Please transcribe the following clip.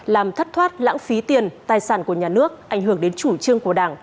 làm thất thoát lãng phí tiền tài sản của nhà nước ảnh hưởng đến chủ trương của đảng